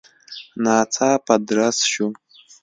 ناڅاپه درز شو.